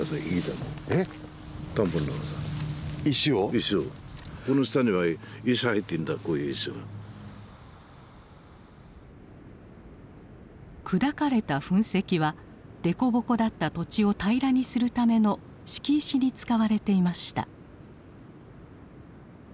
こういう石が。砕かれた噴石は凸凹だった土地を平らにするための敷石に使われていました。